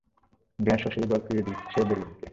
গ্যাসও সেই বল ফিরিয়ে দিচ্ছে বেলুনকে।